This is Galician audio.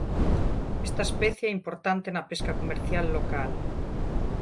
Esta especie é importante na pesca comercial local.